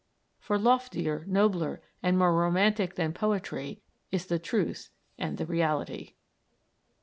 For loftier, nobler, and more romantic than poetry is the truth and the reality.